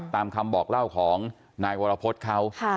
ตามคำบอกเล่าของนายวรพฤษเขา